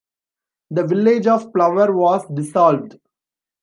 The village of Plover was dissolved.